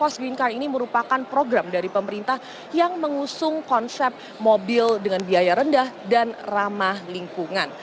cost green car ini merupakan program dari pemerintah yang mengusung konsep mobil dengan biaya rendah dan ramah lingkungan